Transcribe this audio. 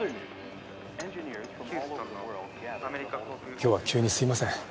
今日は急にすいません。